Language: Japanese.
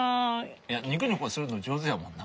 いやニコニコするの上手やもんな。